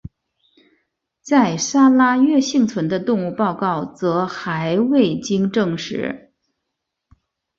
在砂拉越幸存的动物报告则还未经证实。